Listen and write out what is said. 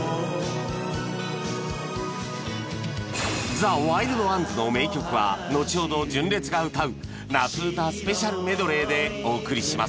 ザ・ワイルド・ワンズの名曲はのちほど純烈が歌う夏うたスペシャルメドレーでお送りします